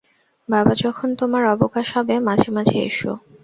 বাবা, যখন তোমার অবকাশ হবে মাঝে মাঝে এসো।